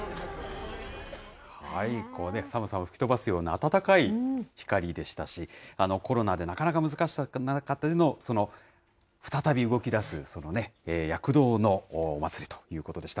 寒さを吹き飛ばすような暖かい光でしたし、コロナでなかなか難しかった中での、その再び動きだす躍動のお祭りということでした。